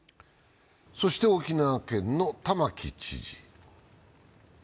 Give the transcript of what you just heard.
そして沖縄県の玉城知事。